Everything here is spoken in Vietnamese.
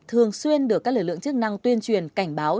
thường xuyên được các lực lượng chức năng tuyên truyền cảnh báo